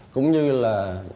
cũng như là